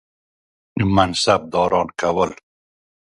منصبداران کول.